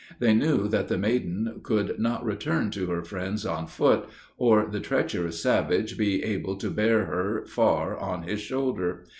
They knew that the maiden could not return to her friends on foot, or the treacherous savage be able to bear her far on his shoulder.